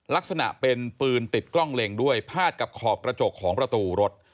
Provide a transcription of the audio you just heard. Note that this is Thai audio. ลักษณะเป็นปืนติดกล้องเล็งด้วยพาดกับขอบกระจกของประตูรถ